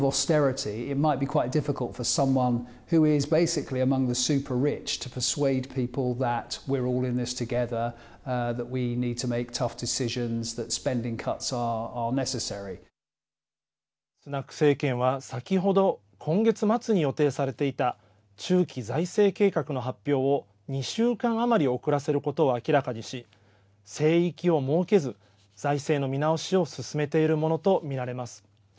スナク政権は先ほど今月末に予定されていた中期財政計画の発表を２週間余り遅らせることを明らかにし聖域を設けず財政の見直しを進めているものと見られます。